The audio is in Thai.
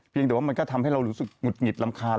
แต่ว่ามันก็ทำให้เรารู้สึกหงุดหงิดรำคาญ